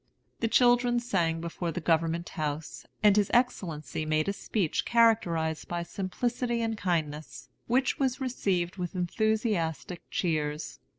The children sang before the Government House, and his Excellency made a speech characterized by simplicity and kindness, which was received with enthusiastic cheers.